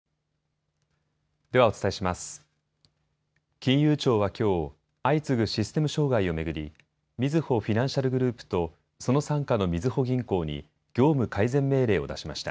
金融庁はきょう、相次ぐシステム障害を巡り、みずほフィナンシャルグループと、その傘下のみずほ銀行に業務改善命令を出しました。